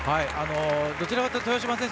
どちらかというと豊島選手